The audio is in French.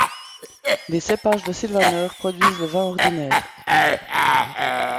Les cépages de sylvaner produisent le vin ordinaire.